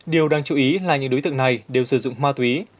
điều đáng chú ý là những đối tượng này đều sử dụng ma túy